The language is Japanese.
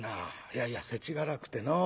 いやいやせちがらくてのう。